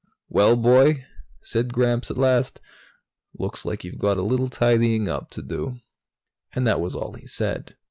"Well, boy," said Gramps at last, "looks like you've got a little tidying up to do." And that was all he said.